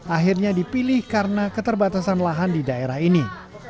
akhirnya dipilih karena keterbatasan lahan di daerah ini